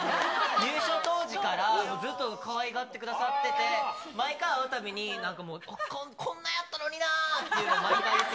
入所当時からずっとかわいがってくださってて、毎回会うたびになんか、こんなやったのになーっていうのを毎回言って。